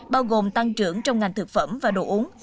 bao gồm tăng trưởng trong ngành thực phẩm và đồ uống